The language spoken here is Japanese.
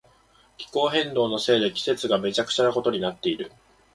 気候変動のせいで季節がめちゃくちゃなことになっている。